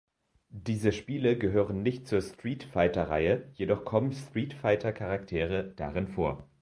Diese Spiele gehören nicht zur Street-Fighter-Reihe, jedoch kommen Street-Fighter-Charaktere darin vor.